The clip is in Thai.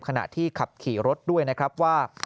ขณะที่ขับขี่รถด้วยนะครับว่า